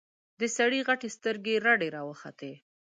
سړي غتې سترګې رډې راوختې.